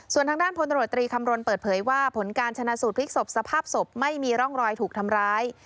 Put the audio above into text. ส่วนทางด้านพลตำรวจตรีคำรณเปิดเผยว่าผลการชนะสูตรพลิกศพสภาพศพไม่มีร่องรอยถูกทำร้าย